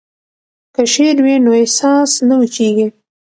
که شعر وي نو احساس نه وچیږي.